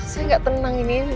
saya gak tenang ini ya